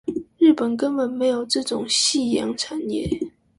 日本根本沒有這種夕陽產業